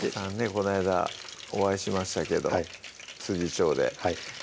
こないだお会いしましたけど調ではい